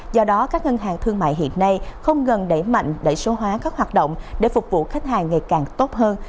do đó các ngân hàng thương mại hiện nay không ngừng đẩy mạnh đẩy số hóa các hoạt động để phục vụ khách hàng ngày càng tốt hơn